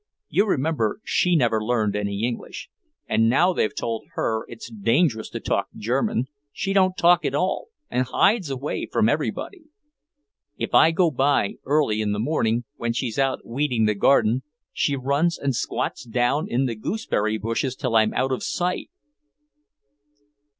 You remember she never learned any English. And now they've told her it's dangerous to talk German, she don't talk at all and hides away from everybody. If I go by early in the morning, when she's out weeding the garden, she runs and squats down in the gooseberry bushes till I'm out of sight."